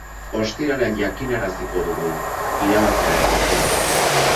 Ostiraletan jakinaraziko dugu irabzlearen izena.